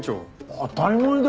当たり前だ！